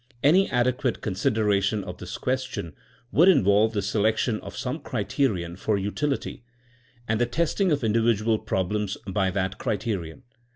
Any adequate consideration of this question would involve the selection of some criterion for utility, and the testing of individual problems by that criterion.